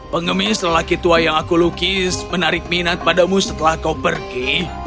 pengemis lelaki tua yang aku lukis menarik minat padamu setelah kau pergi